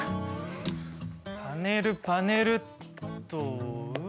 パネルパネルっと。